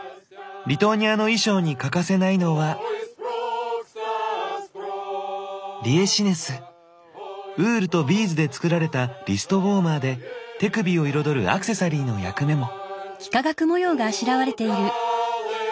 リトアニアの衣装に欠かせないのはウールとビーズで作られたリストウォーマーで手首を彩るアクセサリーの役目も。